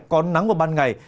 có nắng vào ban ngày